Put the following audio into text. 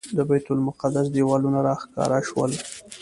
د بیت المقدس دیوالونه راښکاره شول.